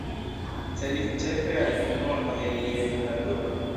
Celis ĉefe al ekkono de ilia literaturo.